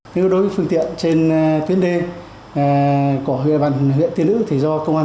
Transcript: nếu đối với phương tiện trên tuyến đê của huyện huyện tiên ưu